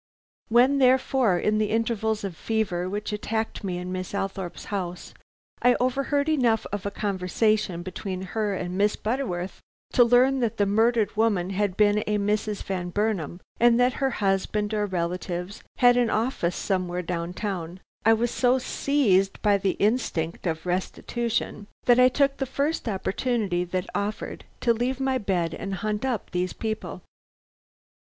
"When, therefore, in the intervals of fever which attacked me in Miss Althorpe's house, I overheard enough of a conversation between her and Miss Butterworth to learn that the murdered woman had been a Mrs. Van Burnam, and that her husband or relatives had an office somewhere downtown, I was so seized by the instinct of restitution, that I took the first opportunity that offered to leave my bed and hunt up these people.